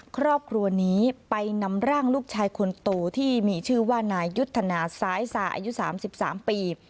ครอบครัวนี้ไปนำร่างลูกชายคนโตที่มีชื่อว่านายยุทธนาซ้ายสาอายุ๓๓ปี